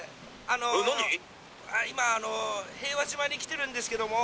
今平和島に来てるんですけども。